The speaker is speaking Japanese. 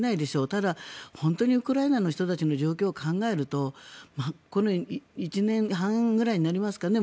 ただ本当にウクライナの人たちの状況を考えるともう１年半くらいになりますかね